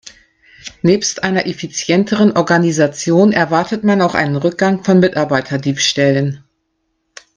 Nebst einer effizienteren Organisation erwartet man auch einen Rückgang von Mitarbeiterdiebstählen.